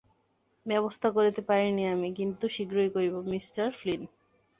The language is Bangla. ব্যবস্থা করতে পারিনি আমি কিন্তু শীঘ্রই করবো, মিস্টার ফ্লিন।